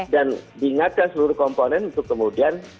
dan diingatkan seluruh komponen untuk kemudian